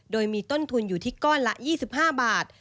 โดยมีต้นทุนอยู่ที่ก้อนละ๒๕บาท